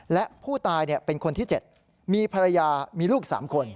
และผู้ตายเป็นคนที่๗มีภรรยามีลูก๓คน